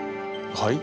はい？